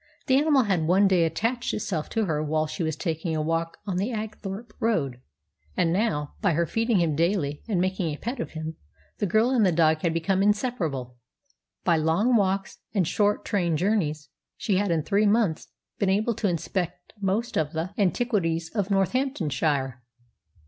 The animal had one day attached itself to her while she was taking a walk on the Apethorpe road; and now, by her feeding him daily and making a pet of him, the girl and the dog had become inseparable. By long walks and short train journeys she had, in three months, been able to inspect most of the antiquities of Northamptonshire.